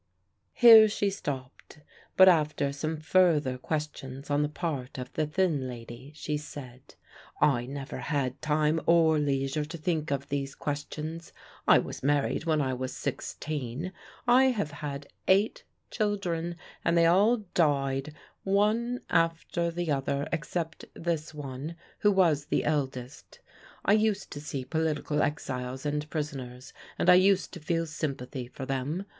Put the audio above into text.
'" Here she stopped, but after some further questions on the part of the thin lady, she said: "I never had time or leisure to think of these questions. I was married when I was sixteen. I have had eight children, and they all died one after the other except this one, who was the eldest. I used to see political exiles and prisoners, and I used to feel sympathy for them.